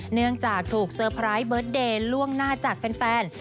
เนื่องจากถูกเซอร์ไพรส์เบิร์ตเดย์ล่วงหน้าจากแฟน